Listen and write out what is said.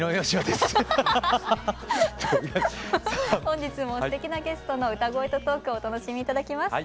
本日もすてきなゲストの歌声とトークをお楽しみ頂きます。